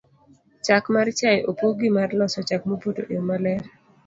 chak mar chae opog gi mar loso chak mopoto e yo maler